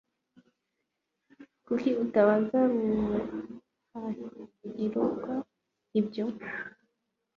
kuki utabaza rudahigwa ibyo